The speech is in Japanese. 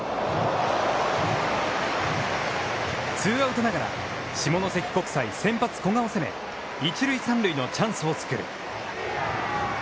ツーアウトながら、下関国際、先発古賀を攻め、一塁三塁のチャンスを作る。